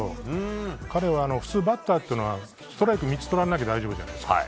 彼は普通バッターというのはストライク３つとらなきゃ大丈夫じゃないですか。